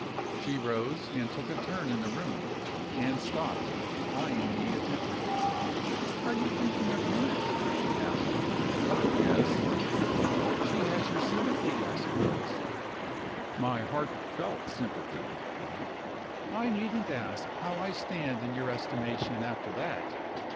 She rose, and took a turn in the room and stopped, eying me attentively. "Are you thinking of Eunice?" she asked. "Yes." "She has your sympathy, I suppose?" "My heart felt sympathy." "I needn't ask how I stand in your estimation, after that.